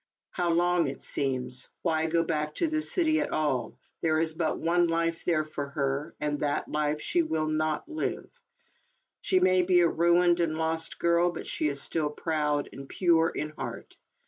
How long it seems. Why go back to the city at all ? There is but one life there for her, and that life she will not live. She may be? a ruined and lost girl, but she is still proud and pure in heart.